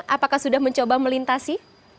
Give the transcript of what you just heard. apakah sudah mencoba melintasi